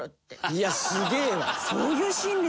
いやすげえわ。